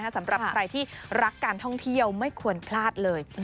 สำหรับใครที่รักการท่องเที่ยวไม่ควรพลาดเลย